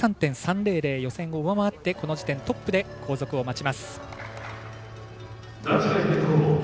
予選を上回ってこの時点でトップで後続を待ちます。